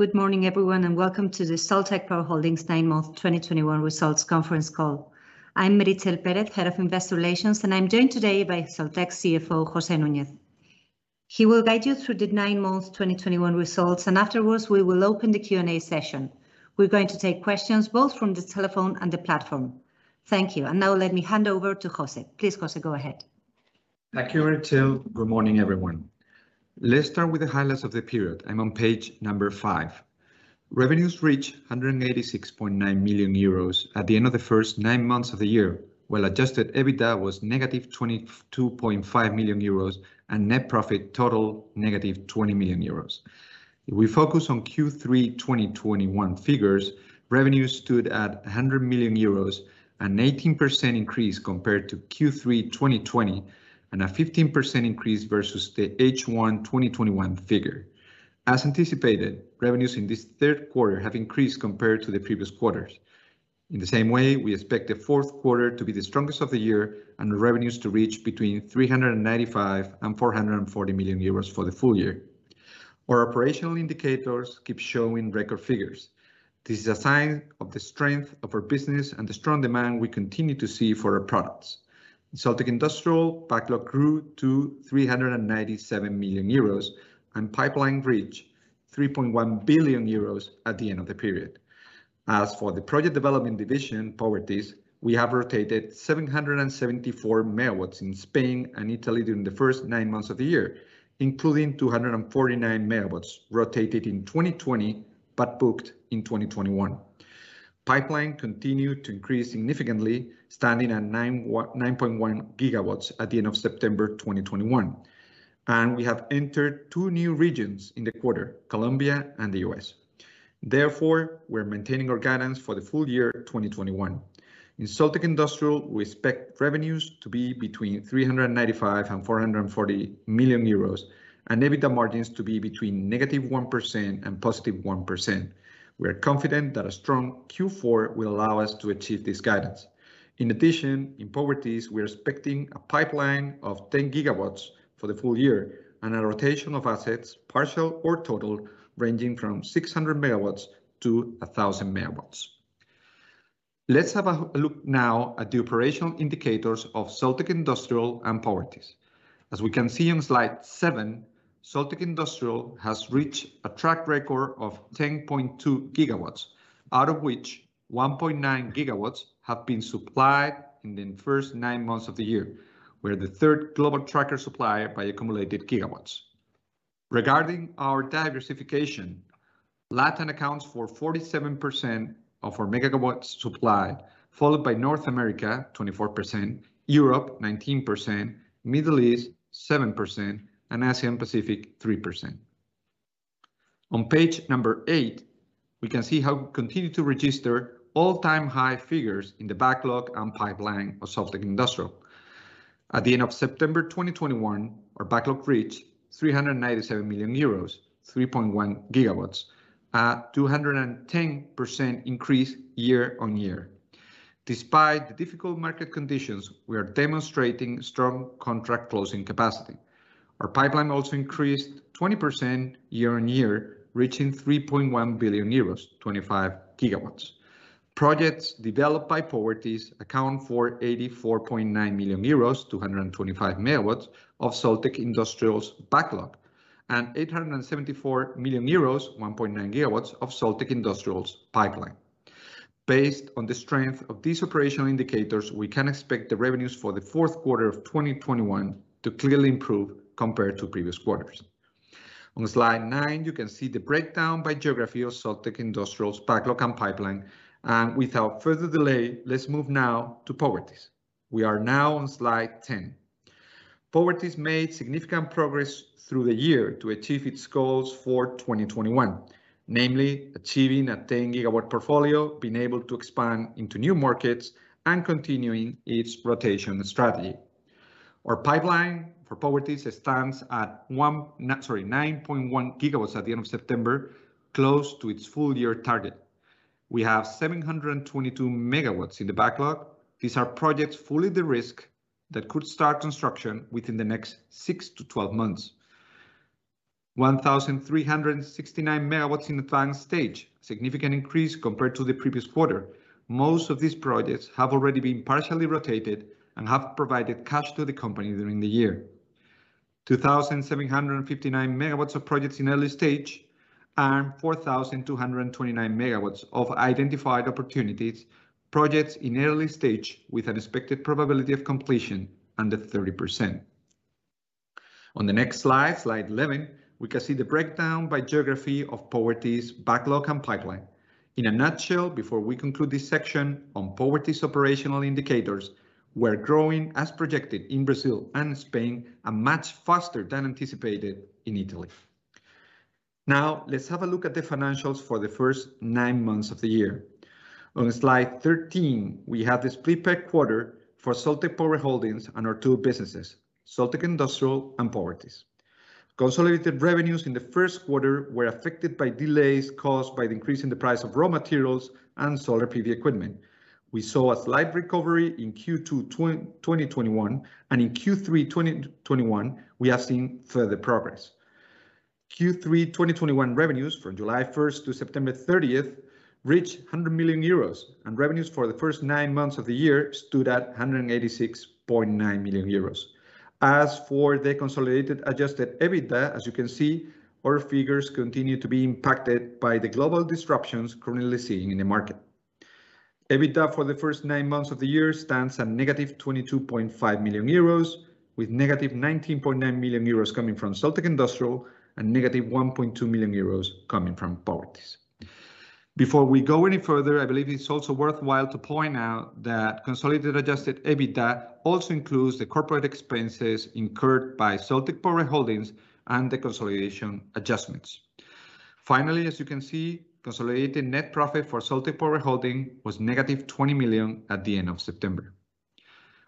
Good morning, everyone, and welcome to the Soltec Power Holdings' nine-month 2021 results conference call. I'm Meritxell Perez, Head of Investor Relations, and I'm joined today by Soltec CFO, José Nuñez. He will guide you through the nine-month 2021 results, and afterwards, we will open the Q&A session. We're going to take questions both from the telephone and the platform. Thank you. Now let me hand over to José. Please, José, go ahead. Thank you, Meritxell. Good morning, everyone. Let's start with the highlights of the period. I'm on page number five. Revenues reached 186.9 million euros at the end of the first nine months of the year, while adjusted EBITDA was -22.5 million euros and net profit totally -20 million euros. If we focus on Q3 2021 figures, revenues stood at 100 million euros, an 18% increase compared to Q3 2020, and a 15% increase versus the H1 2021 figure. As anticipated, revenues in this third quarter have increased compared to the previous quarters. In the same way, we expect the fourth quarter to be the strongest of the year and revenues to reach between 395 million and 440 million euros for the full year. Our operational indicators keep showing record figures. This is a sign of the strength of our business and the strong demand we continue to see for our products. In Soltec Industrial, backlog grew to 397 million euros, and pipeline reached 3.1 billion euros at the end of the period. As for the project development division, Powertis, we have rotated 774 MW in Spain and Italy during the first nine months of the year, including 249 MW rotated in 2020, but booked in 2021. Pipeline continued to increase significantly, standing at 9.1 GW at the end of September 2021. We have entered two new regions in the quarter: Colombia and the U.S. Therefore, we're maintaining our guidance for the full year 2021. In Soltec Industrial, we expect revenues to be between 395 million and 440 million euros, and EBITDA margins to be between -1% and +1%. We are confident that a strong Q4 will allow us to achieve this guidance. In addition, in Powertis, we are expecting a pipeline of 10 GW for the full year, and a rotation of assets, partial or total, ranging from 600 MW-1,000 MW. Let's have a look now at the operational indicators of Soltec Industrial and Powertis. As we can see on slide seven, Soltec Industrial has reached a track record of 10.2 GW, out of which 1.9 GW have been supplied in the first nine months of the year. We're the third global tracker supplier by accumulated GW. Regarding our diversification, LatAm accounts for 47% of our MW supplied, followed by North America, 24%, Europe, 19%, Middle East, 7%, and Asia and Pacific, 3%. On page number eight, we can see how we continue to register all-time high figures in the backlog and pipeline of Soltec Industrial. At the end of September 2021, our backlog reached 397 million euros, 3.1 GW, a 210% increase year-on-year. Despite the difficult market conditions, we are demonstrating strong contract closing capacity. Our pipeline also increased 20% year-on-year, reaching 3.1 billion euros, 25 GW. Projects developed by Powertis account for 84.9 million euros, 225 MW, of Soltec Industrial's backlog, and 874 million euros, 1.9 GW, of Soltec Industrial's pipeline. Based on the strength of these operational indicators, we can expect the revenues for the fourth quarter of 2021 to clearly improve compared to previous quarters. On slide nine, you can see the breakdown by geography of Soltec Industrial's backlog and pipeline. Without further delay, let's move now to Powertis. We are now on slide 10. Powertis made significant progress through the year to achieve its goals for 2021, namely achieving a 10 GW portfolio, being able to expand into new markets, and continuing its rotation strategy. Our pipeline for Powertis stands at 9.1 GW at the end of September, close to its full-year target. We have 722 MW in the backlog. These are projects fully de-risked that could start construction within the next six to twelve months. We have 1,369 MW in the planning stage, significant increase compared to the previous quarter. Most of these projects have already been partially rotated and have provided cash to the company during the year. We have 2,759 MW of projects in early stage, and 4,229 MW of identified opportunities, projects in early stage with an expected probability of completion under 30%. On the next slide, slide 11, we can see the breakdown by geography of Powertis' backlog and pipeline. In a nutshell, before we conclude this section on Powertis' operational indicators, we're growing as projected in Brazil and Spain, and much faster than anticipated in Italy. Now, let's have a look at the financials for the first nine months of the year. On slide 13, we have the split per quarter for Soltec Power Holdings and our two businesses, Soltec Industrial and Powertis. Consolidated revenues in the first quarter were affected by delays caused by the increase in the price of raw materials and solar PV equipment. We saw a slight recovery in Q2 2021, and in Q3 2021, we have seen further progress. Q3 2021 revenues from July 1st-September 30th reached 100 million euros, and revenues for the first nine months of the year stood at 186.9 million euros. As for the consolidated adjusted EBITDA, as you can see, our figures continue to be impacted by the global disruptions currently being seen in the market. EBITDA for the first nine months of the year stands at -22.5 million euros, with -19.9 million euros coming from Soltec Industrial and -1.2 million euros coming from Powertis. Before we go any further, I believe it's also worthwhile to point out that consolidated adjusted EBITDA also includes the corporate expenses incurred by Soltec Power Holdings and the consolidation adjustments. Finally, as you can see, consolidated net profit for Soltec Power Holdings was -20 million at the end of September.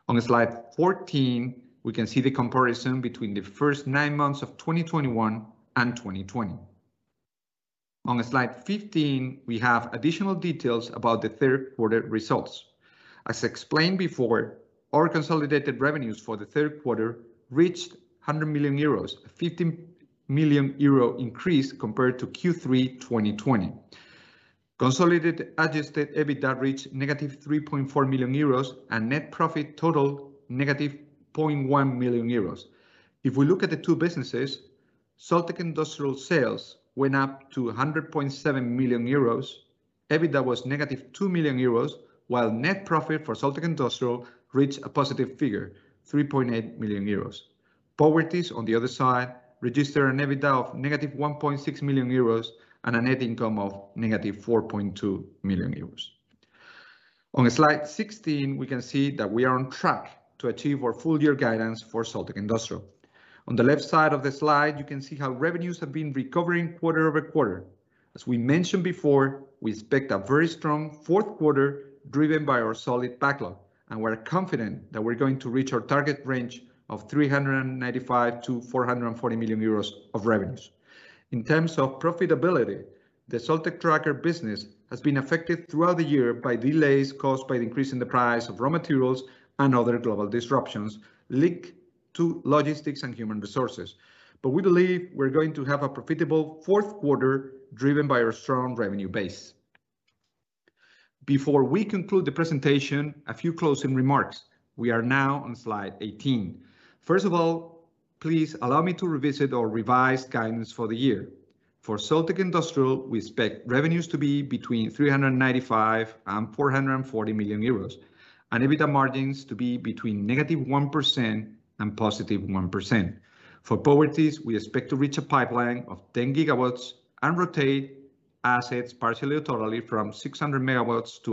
On slide 14, we can see the comparison between the first nine months of 2021 and 2020. On slide 15, we have additional details about the third quarter results. As explained before, our consolidated revenues for the third quarter reached 100 million euros, a 50 million euro increase compared to Q3 2020. Consolidated adjusted EBITDA reached -3.4 million euros, and net profit totaled -0.1 million euros. If we look at the two businesses, Soltec Industrial sales went up to 100.7 million euros. EBITDA was -2 million euros, while net profit for Soltec Industrial reached a positive figure, 3.8 million euros. Powertis, on the other side, registered an EBITDA of -1.6 million euros and a net income of -4.2 million euros. On slide 16, we can see that we are on track to achieve our full year guidance for Soltec Industrial. On the left side of the slide, you can see how revenues have been recovering quarter-over-quarter. As we mentioned before, we expect a very strong fourth quarter driven by our solid backlog, and we're confident that we're going to reach our target range of 395 million-440 million euros of revenues. In terms of profitability, the Soltec tracker business has been affected throughout the year by delays caused by the increase in the price of raw materials and other global disruptions linked to logistics and human resources. We believe we're going to have a profitable fourth quarter driven by our strong revenue base. Before we conclude the presentation, a few closing remarks. We are now on slide 18. First of all, please allow me to revisit our revised guidance for the year. For Soltec Industrial, we expect revenues to be between 395 million and 440 million euros, and EBITDA margins to be between -1% and +1%. For Powertis, we expect to reach a pipeline of 10 GW and rotate assets partially or totally from 600 MW-1,000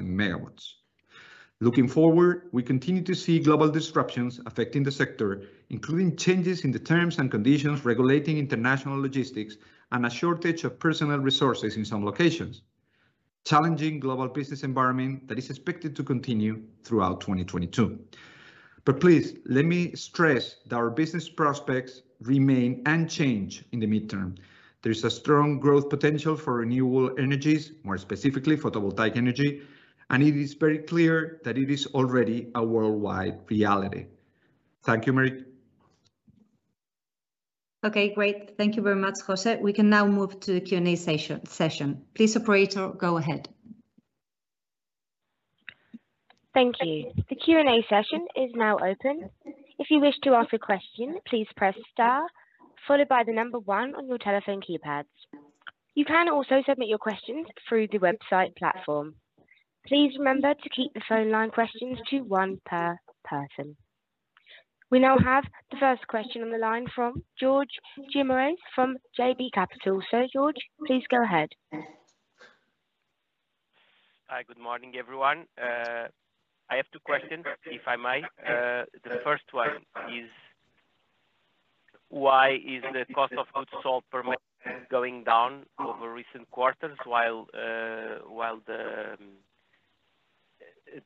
MW. Looking forward, we continue to see global disruptions affecting the sector, including changes in the terms and conditions regulating international logistics and a shortage of personal resources in some locations, challenging global business environment that is expected to continue throughout 2022. Please let me stress that our business prospects remain unchanged in the midterm. There is a strong growth potential for renewable energies, more specifically photovoltaic energy, and it is very clear that it is already a worldwide reality. Thank you, Merit. Okay, great. Thank you very much, José. We can now move to the Q&A session. Please, operator, go ahead. Thank you. The Q&A session is now open. If you wish to ask a question, please press star followed by one on your telephone keypads. You can also submit your questions through the website platform. Please remember to keep the phone line questions to one per person. We now have the first question on the line from Jorge Guimarães from JB Capital. Sir Jorge, please go ahead. Hi, good morning, everyone. I have two questions, if I may. The first one is why is the cost of goods sold per going down over recent quarters, while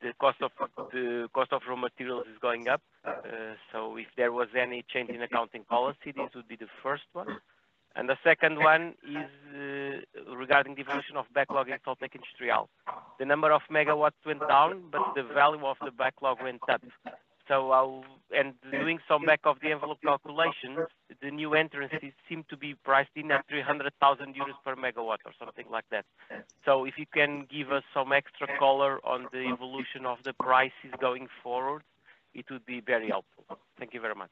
the cost of raw materials is going up? So, if there was any change in accounting policy, this would be the first one. The second one is regarding the evolution of backlog in Soltec Industrial. The number of MW went down, but the value of the backlog went up. Doing some back-of-the-envelope calculations, the new entries seem to be priced in at 300,000 per MW or something like that. If you can give us some extra color on the evolution of the prices going forward, it would be very helpful. Thank you very much.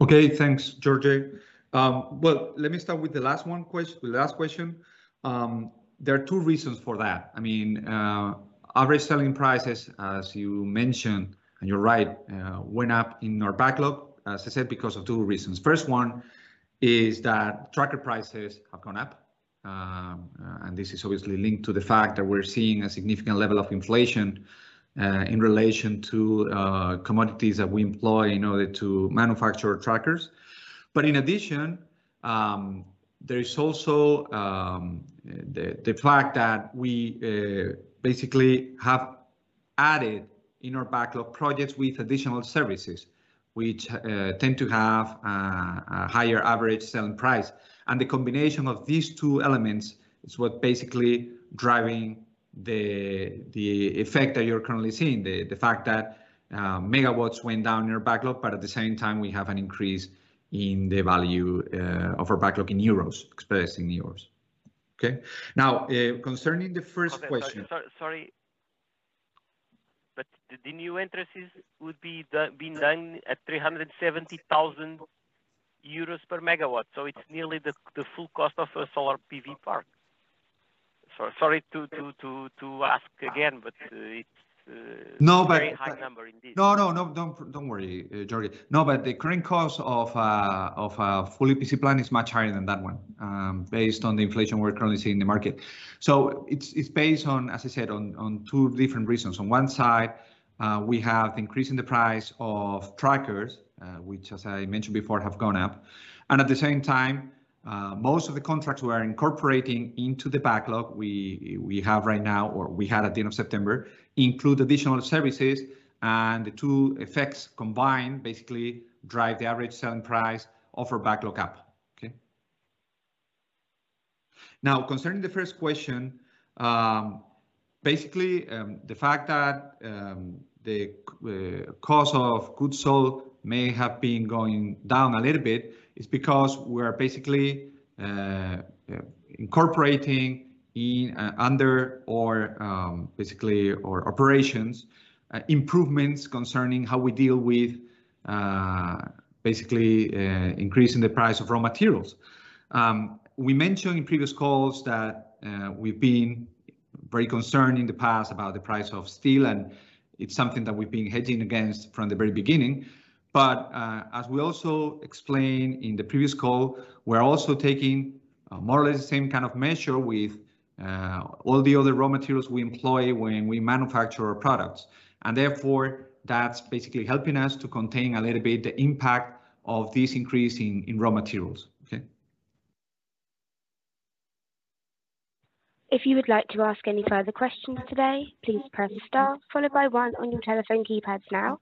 Okay. Thanks, Jorge. Well, let me start with the last question. There are two reasons for that. I mean, average selling prices, as you mentioned, and you're right, went up in our backlog, as I said, because of two reasons. First one is that tracker prices have gone up. This is obviously linked to the fact that we're seeing a significant level of inflation in relation to commodities that we employ in order to manufacture trackers. In addition, there is also the fact that we basically have added in our backlog projects with additional services, which tend to have a higher average selling price. The combination of these two elements is what basically driving the effect that you're currently seeing, the fact that MW went down in our backlog, but at the same time we have an increase in the value of our backlog in euros, expressed in euros. Okay? Now, concerning the first question. Okay. Sorry, but the new entrants would be done at 370,000 euros per MW, so it's nearly the full cost of a solar PV park. Sorry to ask again, but it's No, but. A very high number indeed. No, no, don't worry, Jorge. No, but the current cost of a fully PC plant is much higher than that one, based on the inflation we're currently seeing in the market. It's based on, as I said, on two different reasons. On one side, we have the increase in the price of trackers, which as I mentioned before, have gone up, and at the same time, most of the contracts we are incorporating into the backlog we have right now, or we had at the end of September, include additional services, and the two effects combined basically drive the average selling price of our backlog up. Okay? Now, concerning the first question, basically, the fact that the cost of goods sold may have been going down a little bit is because we are basically incorporating into our operations improvements concerning how we deal with basically increasing the price of raw materials. We mentioned in previous calls that we've been very concerned in the past about the price of steel, and it's something that we've been hedging against from the very beginning, but as we also explained in the previous call, we're also taking more or less the same kind of measure with all the other raw materials we employ when we manufacture our products, and therefore, that's basically helping us to contain a little bit the impact of this increase in raw materials. Okay? If you would like to ask any further questions today, please press star followed by one on your telephone keypads now.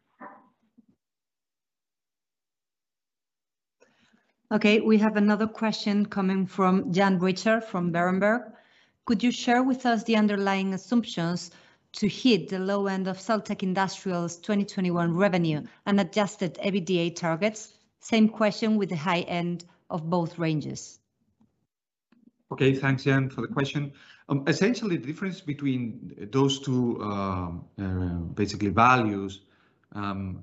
Okay, we have another question coming from Jan Richter from Berenberg. Could you share with us the underlying assumptions to hit the low end of Soltec Industrial's 2021 revenue and adjusted EBITDA targets? Same question with the high end of both ranges. Okay. Thanks, Jan, for the question. Essentially, the difference between those two basically values,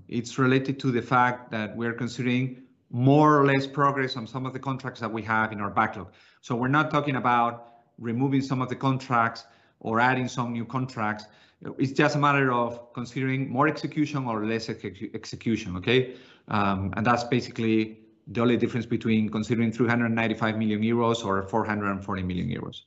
it's related to the fact that we're considering more or less progress on some of the contracts that we have in our backlog. We're not talking about removing some of the contracts or adding some new contracts. It's just a matter of considering more execution or less execution. That's basically the only difference between considering 395 million euros or 440 million euros.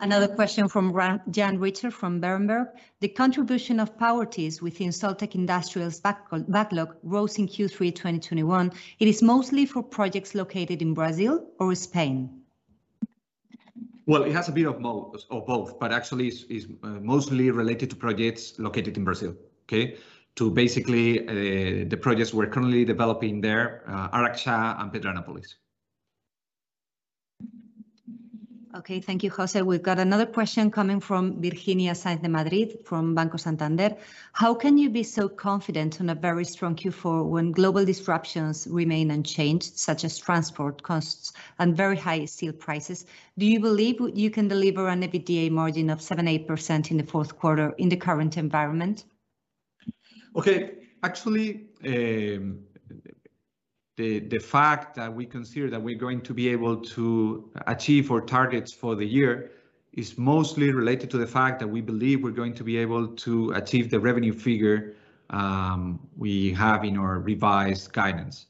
Another question from Jan Richter from Berenberg. The contribution of Powertis within Soltec Industrial's backlog rose in Q3 2021. It is mostly for projects located in Brazil or Spain? Well, it has a bit of both, but actually it's mostly related to projects located in Brazil, okay, to basically the projects we're currently developing there, Araxá and Pedranópolis. Okay. Thank you, José. We've got another question coming from Virginia Sanz de Madrid from Banco Santander. How can you be so confident on a very strong Q4 when global disruptions remain unchanged, such as transport costs and very high steel prices? Do you believe you can deliver an EBITDA margin of 7%-8% in the fourth quarter in the current environment? Okay. Actually, the fact that we consider that we're going to be able to achieve our targets for the year is mostly related to the fact that we believe we're going to be able to achieve the revenue figure we have in our revised guidance.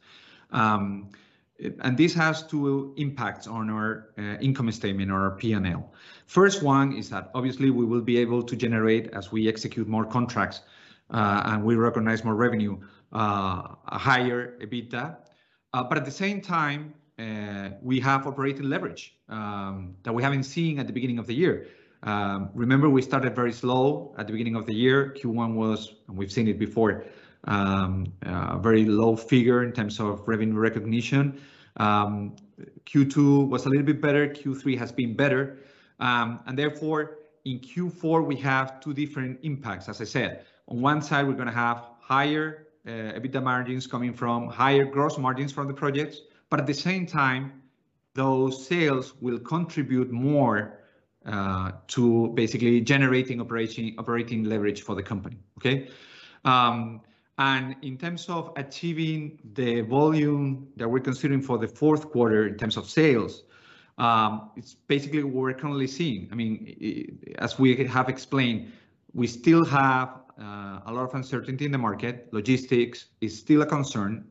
This has two impacts on our income statement or our P&L. First one is that obviously we will be able to generate, as we execute more contracts, and we recognize more revenue, a higher EBITDA, but at the same time, we have operating leverage that we haven't seen at the beginning of the year. Remember we started very slow at the beginning of the year. Q1 was, and we've seen it before, a very low figure in terms of revenue recognition. Q2 was a little bit better. Q3 has been better. Therefore, in Q4 we have two different impacts, as I said. On one side, we're going to have higher EBITDA margins coming from higher gross margins from the projects, but at the same time, those sales will contribute more to basically generating operating leverage for the company. Okay? In terms of achieving the volume that we're considering for the fourth quarter in terms of sales, it's basically what we're currently seeing. I mean, as we have explained, we still have a lot of uncertainty in the market. Logistics is still a concern.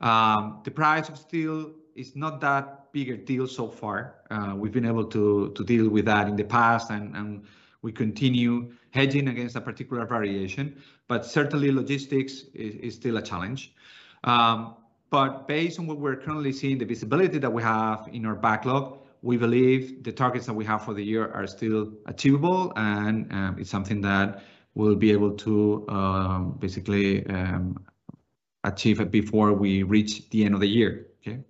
The price of steel is not that big a deal so far. We've been able to deal with that in the past and we continue hedging against a particular variation, but certainly logistics is still a challenge. Based on what we're currently seeing, the visibility that we have in our backlog, we believe the targets that we have for the year are still achievable, and it's something that we'll be able to basically achieve it before we reach the end of the year. Okay?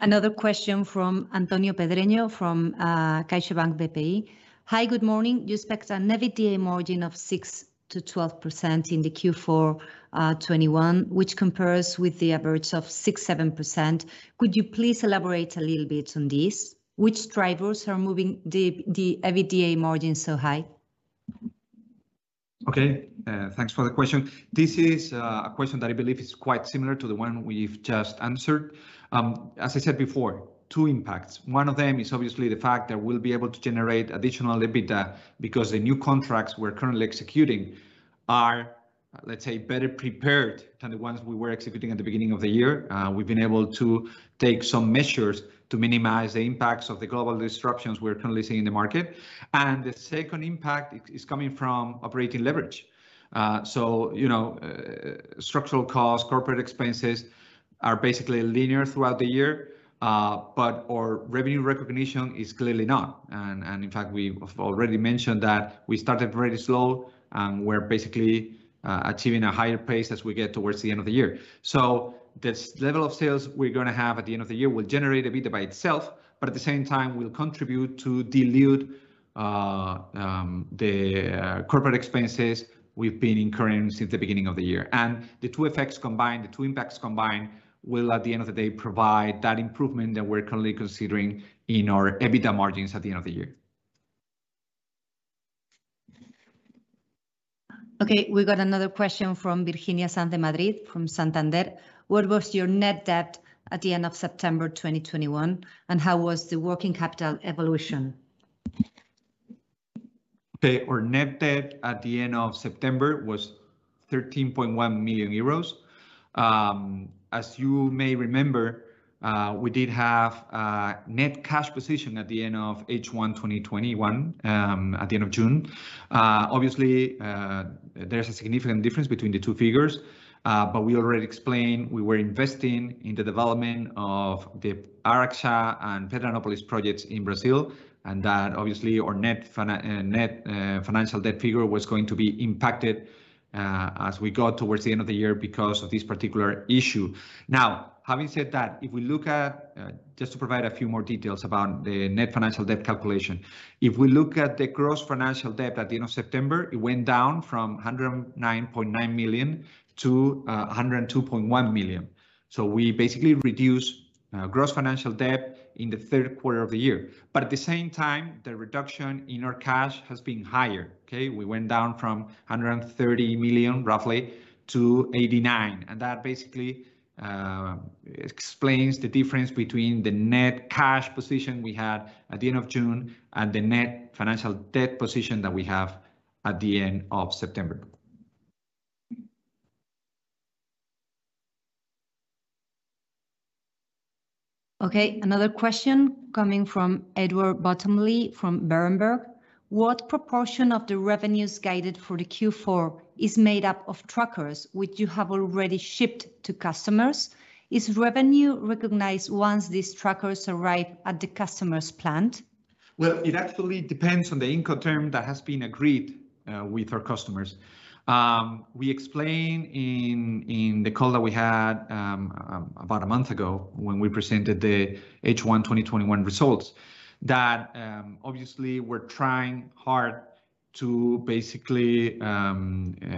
Another question from Antonio Pedreño from CaixaBank BPI. Hi, good morning. You expect an EBITDA margin of 6%-12% in the Q4 2021, which compares with the average of 6.7%. Could you please elaborate a little bit on this? Which drivers are moving the EBITDA margin so high? Okay. Thanks for the question. This is a question that I believe is quite similar to the one we've just answered. As I said before, two impacts. One of them is obviously the fact that we'll be able to generate additional EBITDA because the new contracts we're currently executing are, let's say, better prepared than the ones we were executing at the beginning of the year. We've been able to take some measures to minimize the impacts of the global disruptions we're currently seeing in the market. The second impact is coming from operating leverage. You know, structural costs, corporate expenses are basically linear throughout the year. Our revenue recognition is clearly not. In fact, we have already mentioned that we started very slow, and we're basically achieving a higher pace as we get toward the end of the year. The level of sales we're going to have at the end of the year will generate EBITDA by itself, but at the same time will contribute to dilute the corporate expenses we've been incurring since the beginning of the year. The two effects combined, the two impacts combined, will at the end of the day provide that improvement that we're currently considering in our EBITDA margins at the end of the year. Okay, we've got another question from Virginia Sanz de Madrid from Santander. What was your net debt at the end of September 2021? And how was the working capital evolution? Our net debt at the end of September was 13.1 million euros. As you may remember, we did have a net cash position at the end of H1 2021, at the end of June. Obviously, there's a significant difference between the two figures. We already explained we were investing in the development of the Araxá and Pedranópolis projects in Brazil, and that obviously our net financial debt figure was going to be impacted, as we got towards the end of the year because of this particular issue. Now, having said that, if we look at, just to provide a few more details about the net financial debt calculation. If we look at the gross financial debt at the end of September, it went down from 109.9 million-102.1 million. We basically reduced gross financial debt in the third quarter of the year. At the same time, the reduction in our cash has been higher. Okay? We went down from 130 million, roughly, to 89 million, and that basically explains the difference between the net cash position we had at the end of June and the net financial debt position that we have at the end of September. Okay, another question coming from Edward Bottomley from Berenberg. What proportion of the revenues guided for the Q4 is made up of trackers which you have already shipped to customers? Is revenue recognized once these trackers arrive at the customer's plant? Well, it actually depends on the Incoterm that has been agreed with our customers. We explained in the call that we had about a month ago when we presented the H1 2021 results that obviously we're trying hard to basically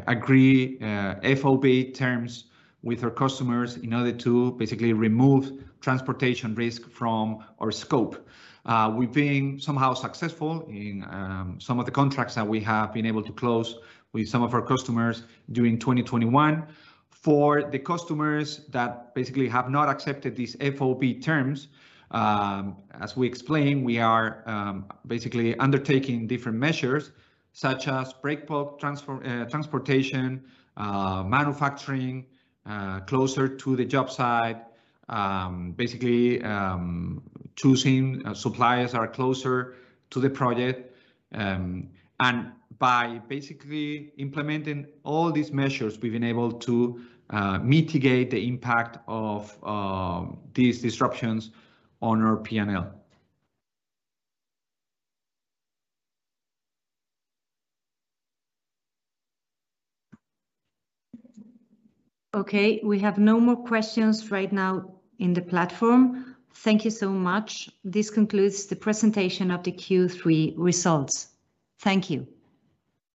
agree FOB terms with our customers in order to basically remove transportation risk from our scope. We've been somehow successful in some of the contracts that we have been able to close with some of our customers during 2021. For the customers that basically have not accepted these FOB terms, as we explained, we are basically undertaking different measures such as break-bulk transportation, manufacturing closer to the job site. Basically, choosing suppliers that are closer to the project. By basically implementing all these measures, we've been able to mitigate the impact of these disruptions on our P&L. Okay, we have no more questions right now in the platform. Thank you so much. This concludes the presentation of the Q3 results. Thank you.